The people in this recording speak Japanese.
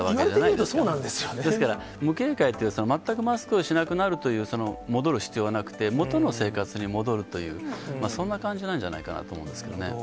言われてみるとそうなんですですから、無警戒という、まったくマスクをしなくなる必要はなくて、元の生活に戻るという、そんな感じなんじゃないかなと思うんですけどね。